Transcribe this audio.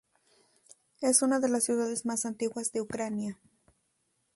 Es una de las ciudades más antiguas de Ucrania.